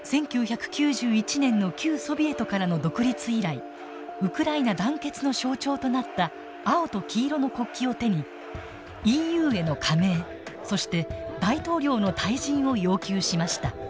１９９１年の旧ソビエトからの独立以来ウクライナ団結の象徴となった青と黄色の国旗を手にＥＵへの加盟そして大統領の退陣を要求しました。